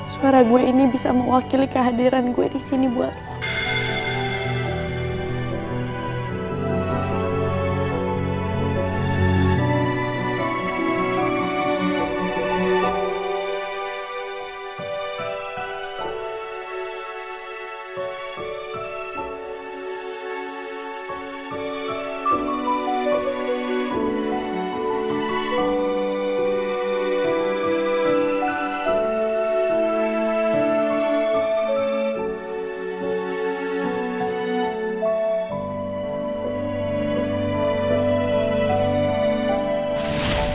suara gue ini bisa mewakili kehadiran gue disini buat lo